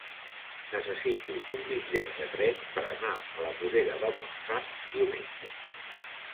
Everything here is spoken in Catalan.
Necessito un bitllet de tren per anar a la Morera de Montsant diumenge.